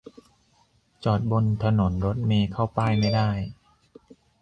จอดบนถนนรถเมล์เข้าป้ายไม่ได้